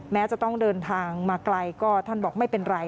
แม้จะต้องเดินทางมาไกลก็ท่านบอกไม่เป็นไร